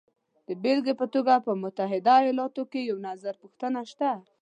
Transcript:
د بېلګې په توګه په متحده ایالاتو کې یو نظرپوښتنه شته